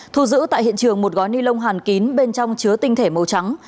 thu giữ tại hiện trường một gói ni lông hàn kín bên trong chứa tinh thể màu trắng